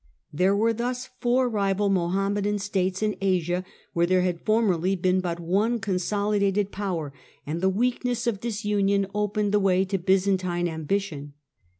There were thus four rival Mohammedan States in Asia, where there had formerly been but one strong consolidated power, and the weakness of disunion opened the way to Byzantine ambition.